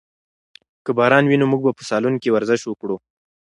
که باران وي نو موږ به په سالون کې ورزش وکړو.